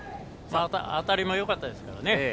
当たりもよかったですからね。